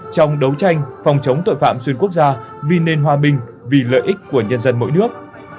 trong đấu tranh phòng chống tội phạm xuyên quốc gia vì nền hòa bình vì lợi ích của nhân dân mỗi nước